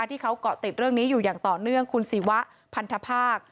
ที่เขาเกาะติดเรื่องนี้อยู่อย่างต่อเนื่องคุณศิวะพันธภาค